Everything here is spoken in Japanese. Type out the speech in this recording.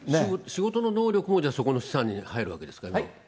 仕事の能力もじゃあ、そこの資産に入るわけですか。